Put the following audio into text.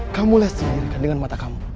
kamu lihat sendirikan dengan mata kamu